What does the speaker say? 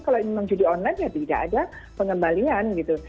kalau memang judi online ya tidak ada pengembalian gitu